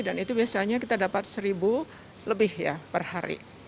dan itu biasanya kita dapat seribu lebih ya per hari